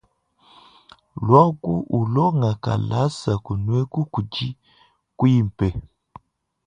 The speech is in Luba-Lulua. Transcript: Luaku ulonga kalasa kunueku kudi kuimpe.